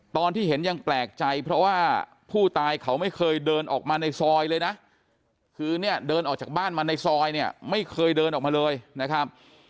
ตอนที่เห็นยังแปลกใจเพราะว่าผู้ตายเขาไม่เคยเดินออกมาในซอยเลยนะคือเนี่ยเดินออกจากบ้านมาในซอยเนี่ยไม่เคยเดินออกมาเลยนะครับ